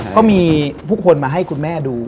ก็มีผู้คนมาให้คุณแม่ดู